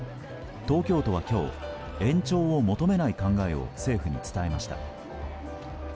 東京都は今日延長を求めない考えを政府に伝えました。